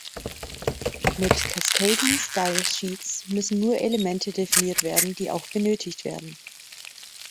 Mit Cascading Style Sheets müssen nur Elemente definiert werden, die auch benötigt werden.